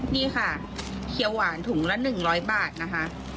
นี่ค่ะเขียวหวานถุงละ๑๐๐บาทนะคะ